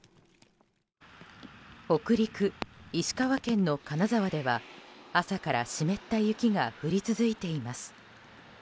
北陸・石川県の金沢では朝から湿った雪が降り続いています。